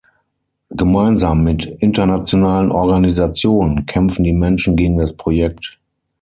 Gemeinsam mit internationalen Organisationen kämpfen die Menschen gegen das Projekt.